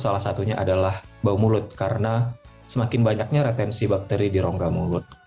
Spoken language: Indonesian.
salah satunya adalah bau mulut karena semakin banyaknya retensi bakteri di rongga mulut